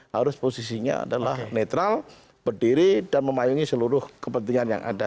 harus posisinya adalah netral berdiri dan memayungi seluruh kepentingan yang ada